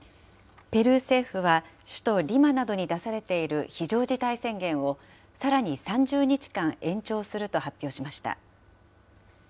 ペルー政府は、首都リマなどに出されている非常事態宣言を、さらに３０日間延長すると発表しました。